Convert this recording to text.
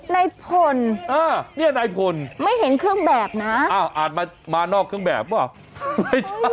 นายผลไม่เห็นเครื่องแบบนะอ้าวอาจมานอกเครื่องแบบหรือเปล่า